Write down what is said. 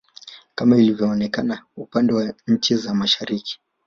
kama ilivyoonekana upande wa nchi za Mashariki